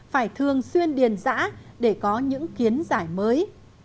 phải thường xuyên điền giã để có những kiến giải mới